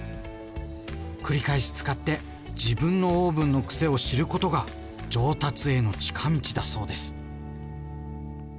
繰り返し使って自分のオーブンの癖を知ることが上達への近道だそうです。